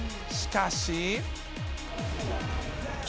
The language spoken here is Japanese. しかし。